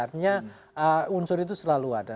artinya unsur itu selalu ada